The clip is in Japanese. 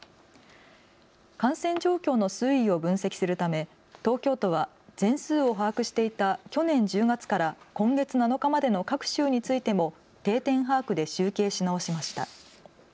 感染状況の推移を分析するため東京都は全数を把握していた去年１０月から今月７日までの各週についても定点把握で集計し直しました。